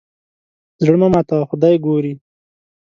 زړه مه ماتوه خدای ګوري.